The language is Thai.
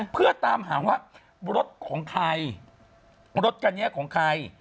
เพื่อตามหาว่ารถของใครรถคันนี้ของใคร